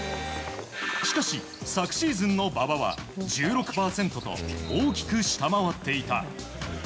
しかし、昨シーズンの馬場は１６％と大きく下回っていた。